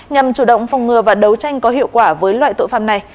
nhằm chủ động phòng ngừa và đấu tranh có hiệu quả với loại tội phạm này